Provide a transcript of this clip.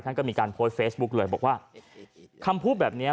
ท่านก็มีการโพสต์เฟซบุ๊กเลยบอกว่าคำพูดแบบเนี้ย